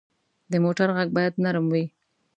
د موټر غږ باید نرم وي.